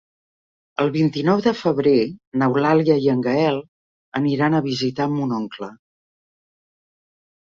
El vint-i-nou de febrer n'Eulàlia i en Gaël aniran a visitar mon oncle.